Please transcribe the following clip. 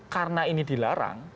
karena ini dilarang